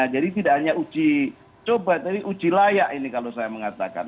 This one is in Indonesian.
jadi tidak hanya uji coba tapi uji layak ini kalau saya mengatakan